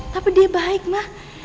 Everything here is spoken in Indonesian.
tapi dia baik ma